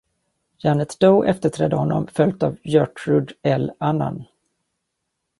Janet Doe efterträdde honom, följt av Gertrude L. Annan.